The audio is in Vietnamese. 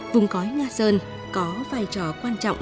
vùng cõi nga sơn có vai trò quan trọng